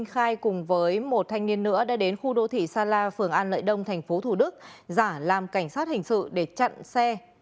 khai cùng với một thanh niên nữa đã đến khu đô thị sa la phường an lợi đông tp thủ đức giả làm cảnh sát hình sự để chặn xe